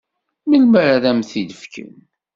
Melmi ara am-t-id-fken?